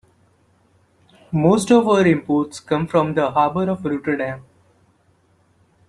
Most of our imports come from the harbor of Rotterdam.